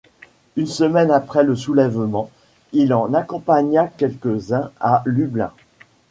Une semaine après le soulèvement, il en accompagna quelques-uns à Lublin.